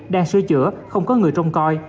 đang sưu chữa không có người trông coi